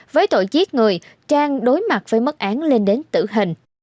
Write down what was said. với tội giết người trang đối mặt với mất án lên đến tử hình